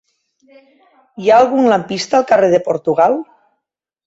Hi ha algun lampista al carrer de Portugal?